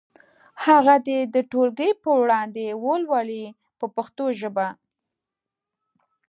هغه دې د ټولګي په وړاندې ولولي په پښتو ژبه.